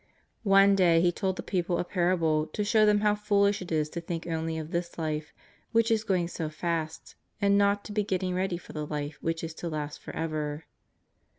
One day He told the people a parable to show them how foolish it is to think only of this life which is going so fast, and not to be getting ready for that life which is to last for ever.